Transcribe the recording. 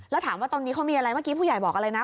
แล้วถามว่าตอนนี้เขามีอะไรเมื่อกี้ผู้ใหญ่บอกอะไรนะ